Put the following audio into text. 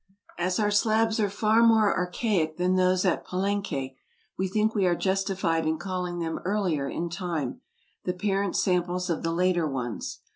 As our slabs are far more archaic than those at Palenque, we think we are justified in calling them earlier in time — the parent samples of the later ones.